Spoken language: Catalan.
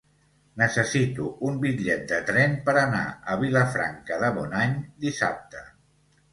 Necessito un bitllet de tren per anar a Vilafranca de Bonany dissabte.